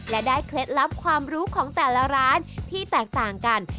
และได้เคล็ดลับความรู้ของแต่ละร้านที่แตกต่างกัน